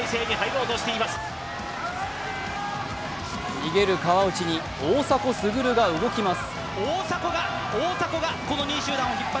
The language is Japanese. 逃げる川内に大迫傑が動きます。